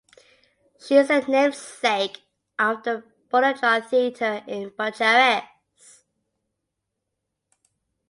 She is the namesake of the Bulandra Theatre in Bucharest.